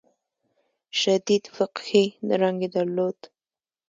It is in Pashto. شدید فقهي رنګ یې درلود.